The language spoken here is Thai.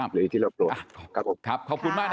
หรือที่เราปรวจ